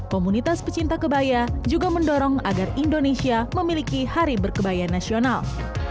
komunitas pecinta kebaya juga mendorong agar indonesia memiliki hari berkebaya nasional